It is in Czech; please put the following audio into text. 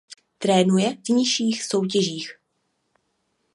Trénuje v nižších soutěžích.